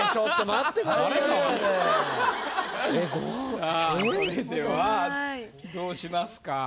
さぁそれではどうしますか？